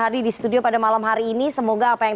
hadir di studio pada malam hari ini semoga apa yang